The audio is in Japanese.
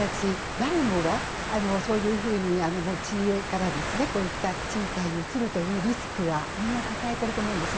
誰もがそういうふうに持ち家から賃貸に移るというリスクはみんな抱えていると思うんです